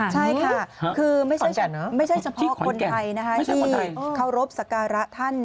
ใช่ค่ะคือไม่ใช่เฉพาะคนไทยนะคะที่เคารพสักการะท่าน